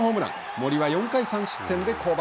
森は４回３失点で降板。